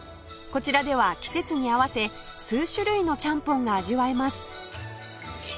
こちらでは季節に合わせ数種類のちゃんぽんが味わえます